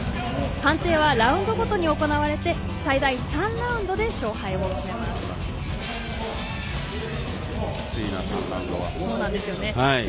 判定はラウンドごとに行われて最大３ラウンドで勝敗を決めます。